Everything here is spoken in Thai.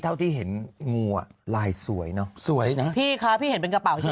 เท่าที่เห็นงูอ่ะลายสวยเนอะสวยนะพี่คะพี่เห็นเป็นกระเป๋าใช่ไหม